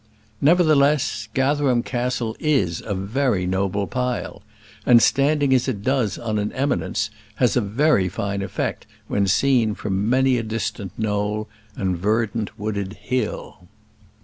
Nevertheless, Gatherum Castle is a very noble pile; and, standing as it does on an eminence, has a very fine effect when seen from many a distant knoll and verdant wooded hill.